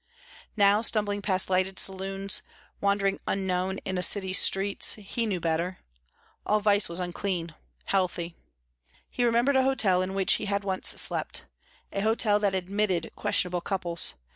Now stumbling past lighted saloons, wandering unknown in a city's streets, he knew better. All vice was unclean, unhealthy. He remembered a hotel in which he had once slept, a hotel that admitted questionable couples.